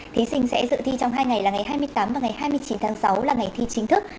thí sinh sẽ dự thi trong hai ngày là ngày hai mươi tám và ngày hai mươi chín tháng sáu là ngày thi chính thức